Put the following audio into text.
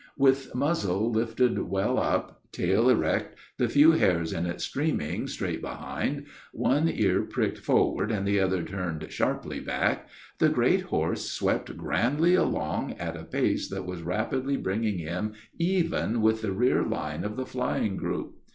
With muzzle lifted well up, tail erect, the few hairs in it streaming straight behind, one ear pricked forward and the other turned sharply back, the great horse swept grandly along at a pace that was rapidly bringing him even with the rear line of the flying group.